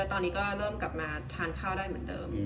ตอนนี้ก็เริ่มกลับมาทานข้าวได้เหมือนเดิม